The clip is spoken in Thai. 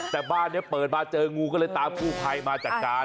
แต่บ้านนี้เปิดมาเจองูก็เลยตามกู้ภัยมาจัดการ